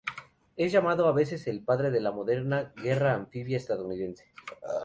Es llamado a veces el "padre" de la moderna guerra anfibia estadounidense.